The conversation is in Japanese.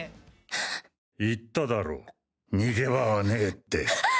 はっ⁉言っただろ逃げ場はねえって。